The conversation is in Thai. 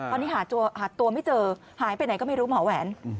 ตอนนี้หาตัวไม่เจอหายไปไหนก็ไม่รู้หมอแหวน